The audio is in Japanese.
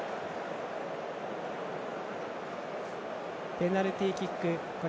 ペナルティーキック。